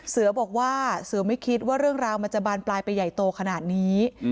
เสือบอกว่าเสือไม่คิดว่าเรื่องราวมันจะบานปลายไปใหญ่โตขนาดนี้